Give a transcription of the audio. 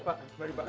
terima kasih pak